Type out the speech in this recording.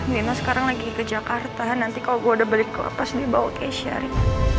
dina sekarang lagi ke jakarta nanti kalau gue udah balik ke lepas dia bawa keisha rik